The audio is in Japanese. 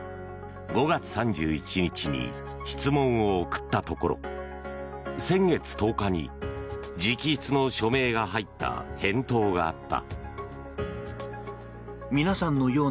５月３１日に質問を送ったところ先月１０日に直筆の署名が入った返答があった。